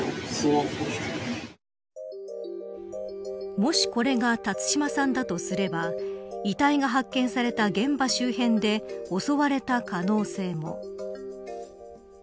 もし、これが辰島さんだとすれば遺体が発見された現場周辺で襲われた可能性も。